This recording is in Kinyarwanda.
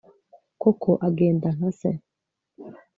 koko agenda nka se